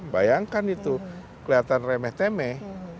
bayangkan itu kelihatan remeh temeh